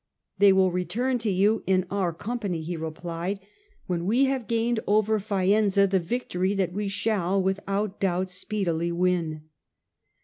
" They will return to you in our company," he replied, " when we have gained over Faenza the victory that we shall without doubt speedily win."